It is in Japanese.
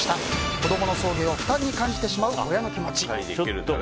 子供の送迎を負担に感じてしまう親の気持ち理解できる？